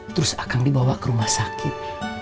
terus akan dibawa ke rumah sakit